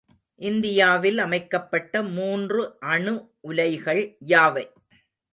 இந்தியாவில் அமைக்கப்பட்ட மூன்று அணுஉலைகள் யாவை?